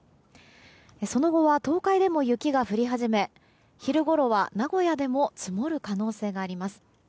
その後は東海でも雪が降り始め昼ごろは名古屋でも積もる可能性があります。